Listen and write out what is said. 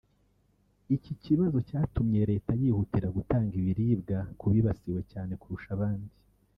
Iki kibazo cyatumye leta yihutira gutanga ibiribwa ku bibasiwe cyane kurusha abandi